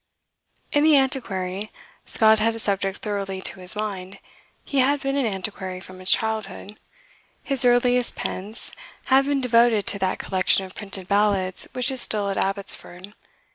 In "The Antiquary" Scott had a subject thoroughly to his mind. He had been an antiquary from his childhood. His earliest pence had been devoted to that collection of printed ballads which is still at Abbotsford.